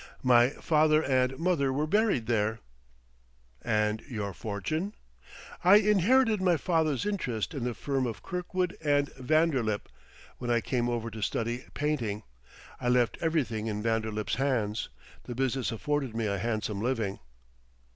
"My father and mother were buried there ..." "And your fortune ?" "I inherited my father's interest in the firm of Kirkwood & Vanderlip; when I came over to study painting, I left everything in Vanderlip's hands. The business afforded me a handsome living."